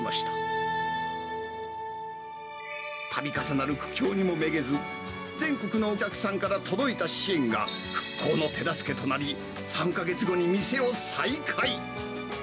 たび重なる苦境にもめげず、全国のお客さんから届いた支援が復興の手助けとなり、３か月後に店を再開。